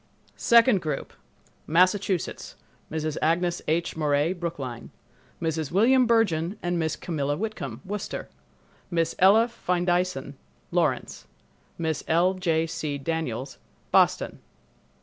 Second Group Massachusetts—Mrs. Agnes H. Morey, Brookline; Mrs. William Bergen and Miss Camilla Whitcomb, Worcester; Miss Ella Findeisen, Lawrence; Miss L. J. C. Daniels, Boston.